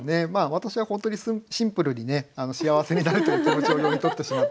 私は本当にシンプルにね「幸せになれ」という気持ちを読み取ってしまったんですけどね。